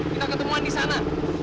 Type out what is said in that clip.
kita ketemuan di sana